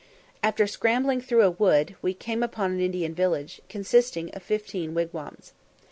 After scrambling through a wood, we came upon an Indian village, consisting of fifteen wigwams.